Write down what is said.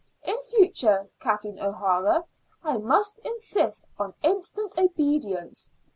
In future, Kathleen O'Hara, I must insist on instant obedience.